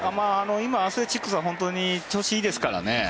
今、アスレチックスは本当に調子がいいですからね。